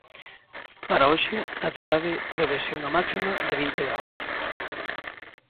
Para hoxe, na cidade, prevese unha máxima de vinte graos.